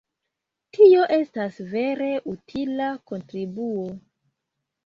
Tio estas vere utila kontribuo!